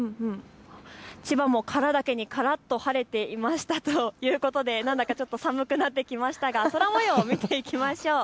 千葉も、殻だけにからっと晴れていましたということでなんだか寒くなってきましたが空もようを見ていきましょう。